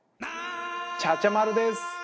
チャチャ丸です